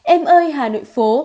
em ơi hà nội phố